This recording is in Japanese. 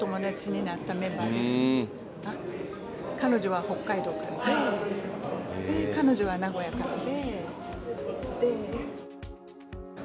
彼女は北海道からでで彼女は名古屋からで。